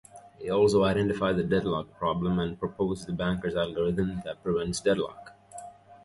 He also identified the deadlock problem and proposed the banker's algorithm that prevents deadlock.